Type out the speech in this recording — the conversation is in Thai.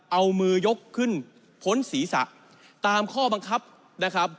เอามือยกขึ้นพ้นศีรษะตามข้อบังคับนะครับ